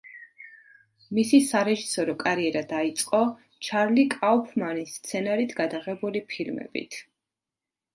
მისი სარეჟისორო კარიერა დაიწყო ჩარლი კაუფმანის სცენარით გადაღებული ფილმებით.